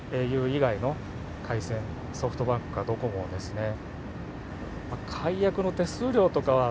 ａｕ以外の回線、ソフトバンクかドコモですね。